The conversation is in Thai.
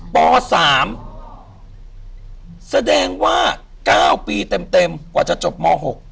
ป๓แสดงว่า๙ปีเต็มกว่าจะจบม๖